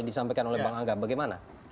disampaikan oleh bang angga bagaimana